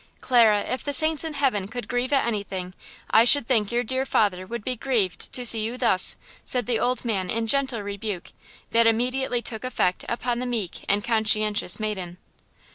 Clara, if the saints in heaven could grieve at anything, I should think your dear father would be grieved to see you thus!" said the old man in gentle rebuke that immediately took effect upon the meek and conscientious maiden.